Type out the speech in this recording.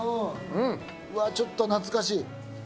うわー、ちょっと懐かしい。